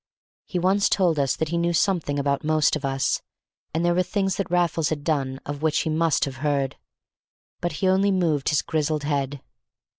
He once told us that he knew something about most of us, and there were things that Raffles had done of which he must have heard. But he only moved his grizzled head.